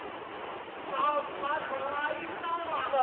まんまと明いたわ。